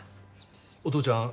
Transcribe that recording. お父ちゃん